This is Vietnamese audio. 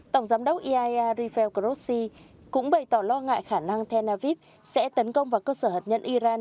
tổng giám đốc iaea rafael grossi cũng bày tỏ lo ngại khả năng tenavib sẽ tấn công vào cơ sở hạt nhân iran